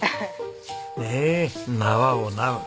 ねえ縄をなう。